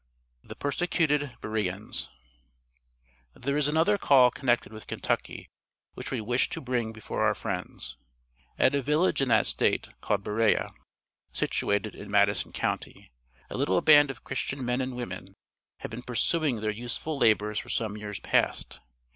THE PERSECUTED BEREANS. There is another call connected with Kentucky, which we wish to bring before our friends. At a village in that State, called Berea, (situated in Madison county), a little band of Christian men and women, had been pursuing their useful labors for some years past.